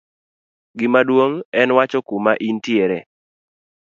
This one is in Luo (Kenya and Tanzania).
gimaduong' en wacho kuma intiere